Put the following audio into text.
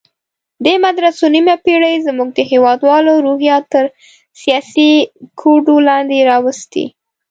دې مدرسو نیمه پېړۍ زموږ د هېوادوالو روحیات تر سیاسي کوډو لاندې راوستي.